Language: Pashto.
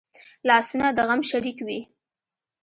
لاسونه د غم شریک وي